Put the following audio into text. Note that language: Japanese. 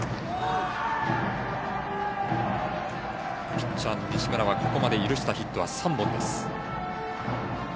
ピッチャーの西村はここまで許したヒットは３本です。